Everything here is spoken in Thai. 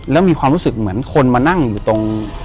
แล้วมีความรู้สึกเหมือนคนมานั่งอยู่ตรง